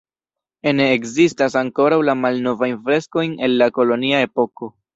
Ene ekzistas ankoraŭ la malnovajn freskojn el la kolonia epoko.